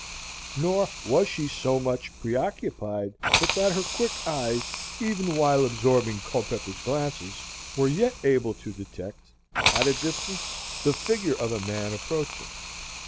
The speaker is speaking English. Nor was she so much preoccupied but that her quick eyes, even while absorbing Culpepper's glances, were yet able to detect, at a distance, the figure of a man approaching.